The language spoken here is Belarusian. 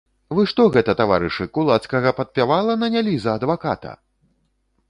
Вы што гэта, таварышы, кулацкага падпявала нанялі за адваката?